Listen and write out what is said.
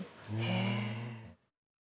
へえ。